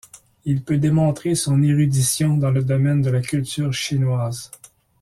Il peut montrer son érudition dans le domaine de la culture chinoise.